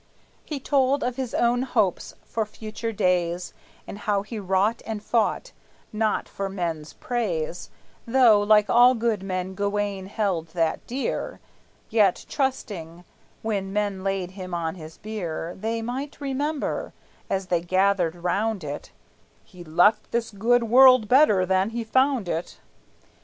He told of his own hopes for future days, And how he wrought and fought not for men's praise, (Though like all good men Gawayne held that dear), Yet trusting, when men laid him on his bier, They might remember, as they gathered round it, "He left this good world better than he found it."